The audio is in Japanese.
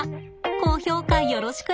高評価よろしくね。